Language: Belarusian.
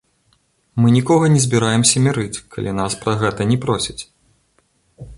Мы нікога не збіраемся мірыць, калі нас пра гэта не просяць.